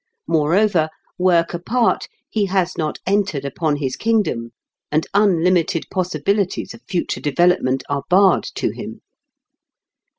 Moreover, work apart, he has not entered upon his kingdom, and unlimited possibilities of future development are barred to him.